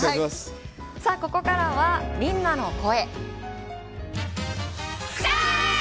さあここからはみんなの声。